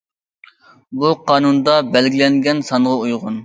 بۇ، قانۇندا بەلگىلەنگەن سانغا ئۇيغۇن.